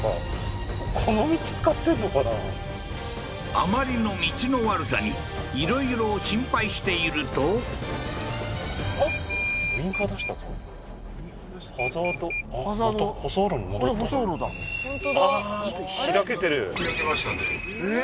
あまりの道の悪さにいろいろ心配していると開けましたねええー？